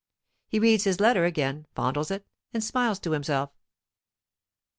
He reads his letter again, fondles it, and smiles to himself.